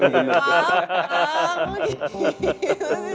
hah hah kok gini